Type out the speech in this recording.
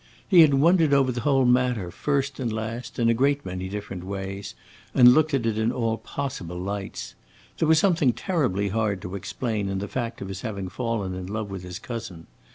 He had wondered over the whole matter, first and last, in a great many different ways, and looked at it in all possible lights. There was something terribly hard to explain in the fact of his having fallen in love with his cousin.